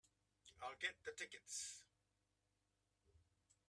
I'll get the tickets.